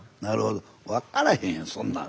分からへんやんそんなん。